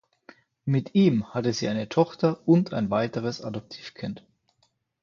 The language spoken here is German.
Mit ihm hatte sie eine Tochter und ein weiteres Adoptivkind.